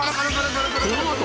このあと